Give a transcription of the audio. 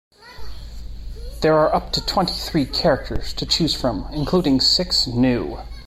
There are up to twenty-three characters to choose from, including six new.